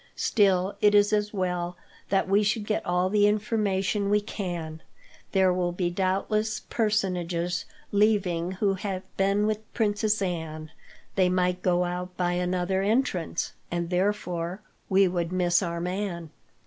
Still, it is as well that we should get all the information we can. There will be, doubtless, personages leaving who have been with the Princess Anne. They might go out by another entrance, and therefore we should miss our man."